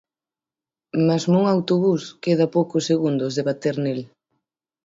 Mesmo un autobús queda a poucos segundos de bater nel.